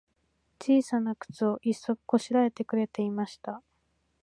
ちいさなくつを、一足こしらえてくれていました。